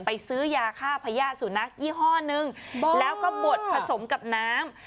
ซื้อยาฆ่าพญาติสุนัขยี่ห้อนึงแล้วก็บดผสมกับน้ำ